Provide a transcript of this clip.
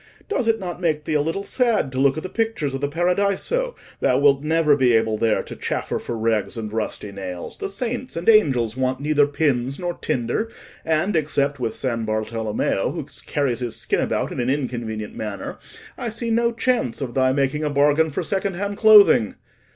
Does it not make thee a little sad to look at the pictures of the Paradiso? Thou wilt never be able there to chaffer for rags and rusty nails: the saints and angels want neither pins nor tinder; and except with San Bartolommeo, who carries his skin about in an inconvenient manner, I see no chance of thy making a bargain for second hand clothing.